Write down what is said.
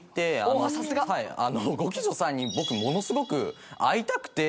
五鬼助さんに僕ものすごく会いたくて。